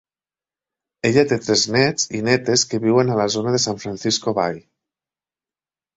Ella té tres néts i nétes que viuen a la zona de San Francisco Bay.